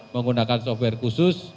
menggunakan software khusus